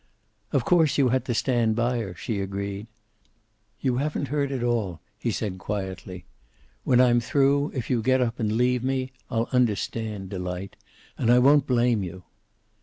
"Of course you had to stand by her," she agreed. "You haven't heard it all," he said quietly. "When I'm through, if you get up and leave me, I'll understand, Delight, and I won't blame you."